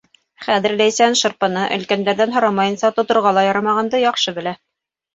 Хәҙер Ләйсән шырпыны өлкән-дәрҙән һорамайынса тоторға ла ярамағанды яҡшы белә.